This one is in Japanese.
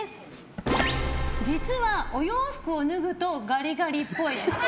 実はお洋服を脱ぐとガリガリっぽい。